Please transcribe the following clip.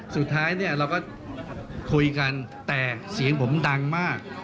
สุดท้ายเนี่ยเราก็คุยกันแต่เสียงผมดังมาก